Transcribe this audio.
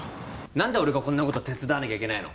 何で俺がこんなこと手伝わなきゃいけないの？